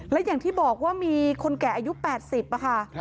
และอย่างที่บอกว่ามีคนแก่อายุ๘๐ค่ะ